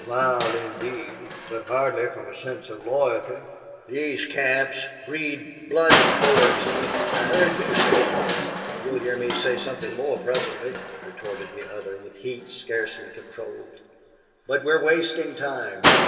"Wild indeed. But hardly from a sense of loyalty. These camps breed blood spillers. I heard you say that." "You'll hear me say something more, presently," retorted the other, with heat scarcely controlled. "But we're wasting time.